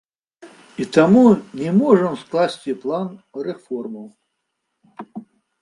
І таму не можам скласці план рэформаў.